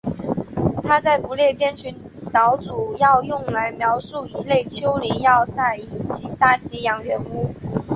它在不列颠群岛主要用来描述一类丘陵要塞以及大西洋圆屋。